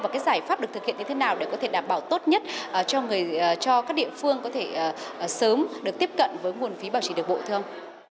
và giải pháp được thực hiện như thế nào để đảm bảo tốt nhất cho các địa phương có thể sớm được tiếp cận với nguồn quỹ bảo trì đường bộ thường